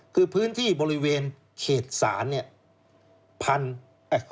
คือพื้นที่บริเวณเขตศาล